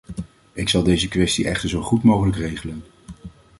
Ik zal deze kwestie echter zo goed mogelijk regelen.